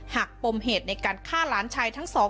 ปมเหตุในการฆ่าหลานชายทั้งสอง